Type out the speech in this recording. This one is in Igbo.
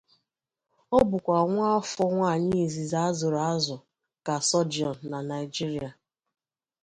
Ọ bụkwa nwaafọ nwanyị izizi azụrụ azụ ka sọjọn na Nigeria.